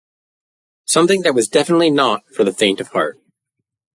Something that was definitely not for the faint of heart.